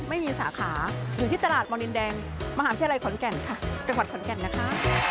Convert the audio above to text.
ไม่มีสาขาอยู่ที่ตลาดมดินแดงมหาวิทยาลัยขอนแก่นค่ะจังหวัดขอนแก่นนะคะ